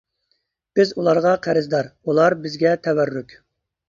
بىز ئۇلارغا قەرزدار، ئۇلار بىزگە تەۋەررۈك!